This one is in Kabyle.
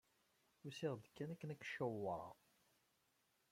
Usiɣ-d kan akken ad k-ciwṛeɣ.